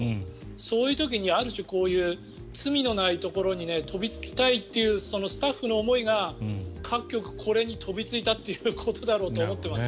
そういう時にある種こういう罪のないところに飛びつきたいというそのスタッフの思いが各局、これに飛びついたということだろうと思ってます。